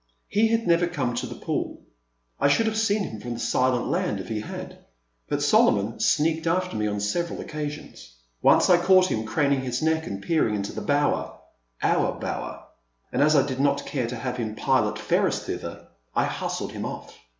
He had never come to the pool, — I should have seen him from the Silent Land if he had, — but Solomon sneaked after me on several occasions. Once I caught him craning his neck and peering into the bower, — our bower — and as I did not care to have him pilot Ferris thither, I hustled him off.